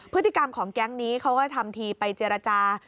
พฤติกรรมของแก๊งนี้เขาก็ทำทีไปเจรจา